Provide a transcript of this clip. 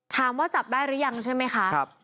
ถามว่าจับได้หรือยังใช่ไหมคะ